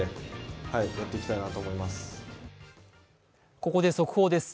ここで速報です。